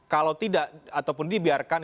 kalau tidak ataupun dibiarkan